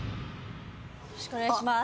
よろしくお願いします。